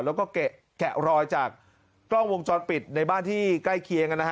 แล้วก็แกะรอยจากกล้องวงจรปิดในบ้านที่ใกล้เคียง